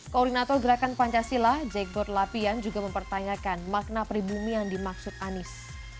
koordinator gerakan pancasila jake godlapian juga mempertanyakan makna peribumi yang dimaksud anies